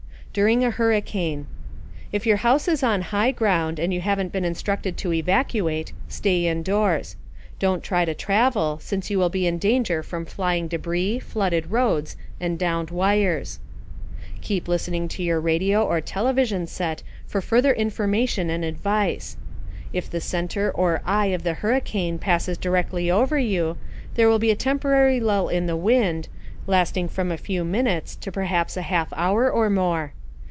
DURING A HURRICANE If your house is on high ground and you haven't been instructed to evacuate, stay indoors. Don't try to travel, since you will be in danger from flying debris, flooded roads, and downed wires. Keep listening to your radio or television set for further information and advice. If the center or "eye" of the hurricane passes directly over you, there will be a temporary lull in the wind, lasting from a few minutes to perhaps a half hour or more.